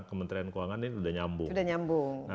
kementerian keuangan ini sudah nyambung